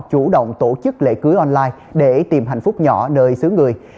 chủ động tổ chức lễ cưới online để tìm hạnh phúc nhỏ nơi xứ người